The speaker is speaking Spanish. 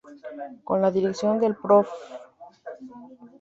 Con la dirección del prof.